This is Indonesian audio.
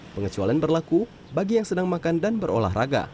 pengecualian berlaku bagi yang sedang makan dan berolahraga